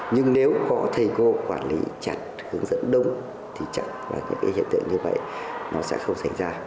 nhưng nếu có thầy cô quản lý chặt hướng dẫn đúng thì chặt và những hiện tượng như vậy nó sẽ không xảy ra